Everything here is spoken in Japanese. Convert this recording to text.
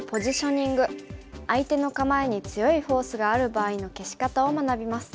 相手の構えに強いフォースがある場合の消し方を学びます。